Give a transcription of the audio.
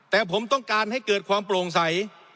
แต่ผมต้องการให้เกิดความโปร่งใส